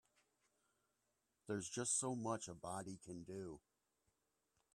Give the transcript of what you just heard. There's just so much a body can do.